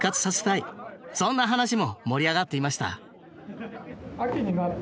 そんな話も盛り上がっていました。